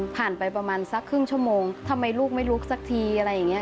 ไปประมาณสักครึ่งชั่วโมงทำไมลูกไม่ลุกสักทีอะไรอย่างนี้